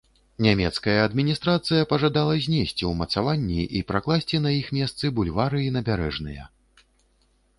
Нямецкая адміністрацыя пажадала знесці ўмацаванні і пракласці на іх месцы бульвары і набярэжныя.